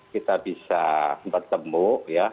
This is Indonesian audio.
kita bisa bertemu ya